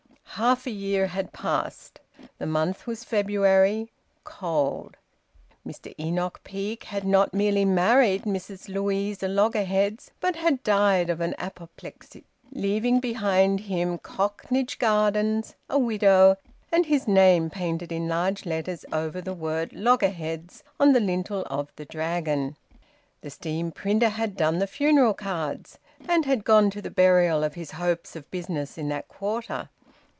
Half a year had passed. The month was February, cold. Mr Enoch Peake had not merely married Mrs Louisa Loggerheads, but had died of an apoplexy, leaving behind him Cocknage Gardens, a widow, and his name painted in large letters over the word `Loggerheads' on the lintel of the Dragon. The steam printer had done the funeral cards, and had gone to the burial of his hopes of business in that quarter.